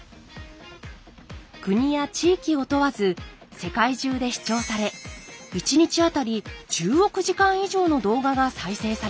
国や地域を問わず世界中で視聴され１日あたり１０億時間以上の動画が再生されています。